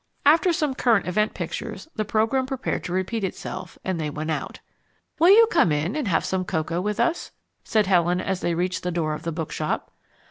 After some current event pictures the programme prepared to repeat itself, and they went out. "Will you come in and have some cocoa with us?" said Helen as they reached the door of the bookshop.